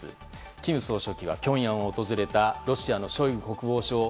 金総書記はピョンヤンを訪れたロシアのショイグ国防相を